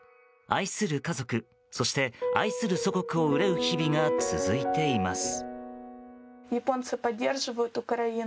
愛する家族、そして愛する祖国を憂う日々が続いています。